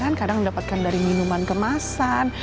ya kan kadang didapatkan dari minuman kemasan